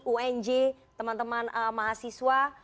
unj teman teman mahasiswa